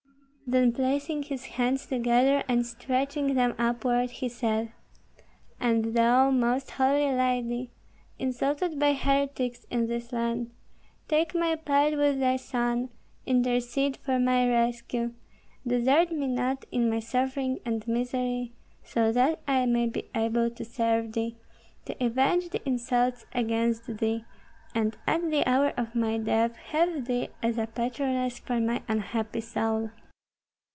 Then placing his hands together and stretching them upward, he said, "And thou, Most Holy Lady, insulted by heretics in this land, take my part with thy Son, intercede for my rescue, desert me not in my suffering and misery, so that I may be able to serve thee, to avenge the insults against thee, and at the hour of my death have thee as a patroness for my unhappy soul."